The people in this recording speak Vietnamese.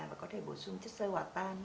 và có thể bổ sung chất sơ hỏa tan